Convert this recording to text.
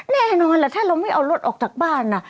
แน่นอนล่ะถ้าเราไม่เอารถออกจากบ้าน